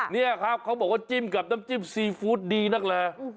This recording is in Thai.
นี่ครับเขาบอกว่าจิ้มกับน้ำจิ้มซีฟู้ดดีนักแล